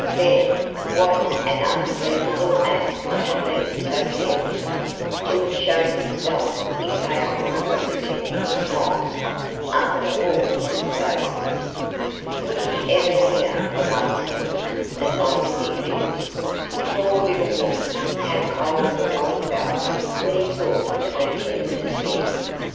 Then, what an unspeakable ass to have been so careless to have shown himself incapable of protecting his wife, after all his boasts! Would he ever hear the last of it as long as he lived? Poor little woman! How cold the water felt when he thought of her tender skin.